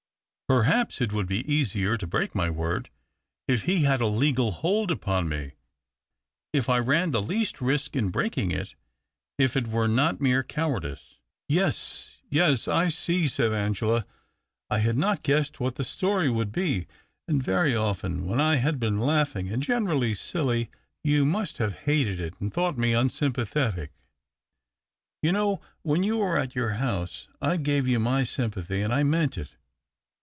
Perhaps it would be easier to break my word, if he had a legal hold upon me — if I ran the least risk in breakingr it — if o it were not mere cowardice." "Yes, yes; I see," said Angela. "I had not guessed what the story would be ; and very often when I have been laughing and — generally silly — you must have hated it, and thought me unsympathetic. You know, when you were at your house, I gave you my sym pathy, and I meant it.